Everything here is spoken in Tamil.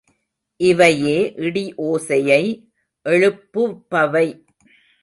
இவையே இடி ஒசையை எழுப்புபவை.